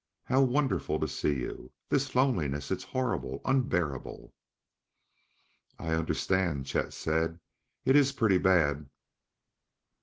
"How wonderful to see you! This loneliness! It is horrible unbearable!" "I understand," Chet said; "it is pretty bad."